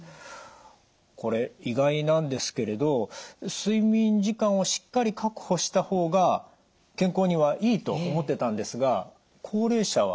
これ意外なんですけれど睡眠時間をしっかり確保した方が健康にはいいと思ってたんですが高齢者は駄目だということですね？